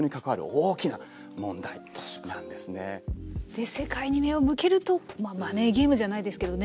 で世界に目を向けるとまあマネーゲームじゃないですけどね